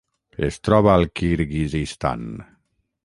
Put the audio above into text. Es troba al Kirguizistan.